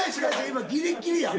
今ギリギリや。